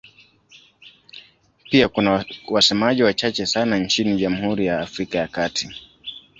Pia kuna wasemaji wachache sana nchini Jamhuri ya Afrika ya Kati.